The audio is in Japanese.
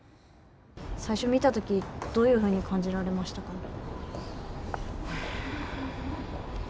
最初見たときどういうふうに感じられましたか？